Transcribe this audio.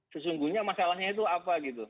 sesungguhnya masalahnya itu apa